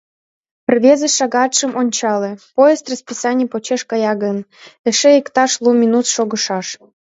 — Рвезе шагатшым ончале: поезд расписаний почеш кая гын, эше иктаж лу минут шогышаш.